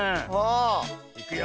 いくよ。